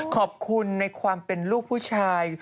ขอบคุณในความเป็นลูกผู้ชาย